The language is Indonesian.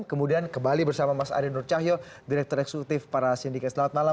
kemudian kembali bersama mas ari nur cahyo direktur eksekutif para sindikas selamat malam